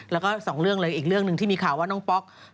แล้วก็สองเรื่องเลยอีกเรื่องหนึ่งที่มีข่าวว่าน้องป๊อก